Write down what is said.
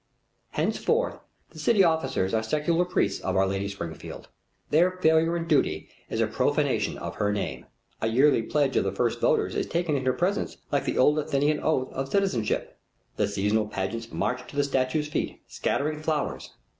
Henceforth the city officers are secular priests of Our Lady Springfield. Their failure in duty is a profanation of her name. A yearly pledge of the first voters is taken in her presence like the old Athenian oath of citizenship. The seasonal pageants march to the statue's feet, scattering flowers.